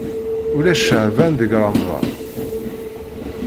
Ulac ceɛban deg remḍan.